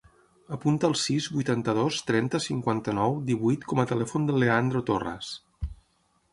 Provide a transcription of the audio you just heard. Apunta el sis, vuitanta-dos, trenta, cinquanta-nou, divuit com a telèfon del Leandro Torras.